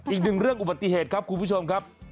อีกหนึ่งเรื่องอุบัติเหตุครับคุณผู้ชมครับ